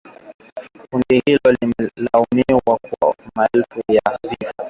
Kundi hilo limelaumiwa kwa maelfu ya vifo